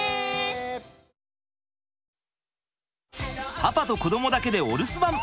パパと子どもだけでお留守番。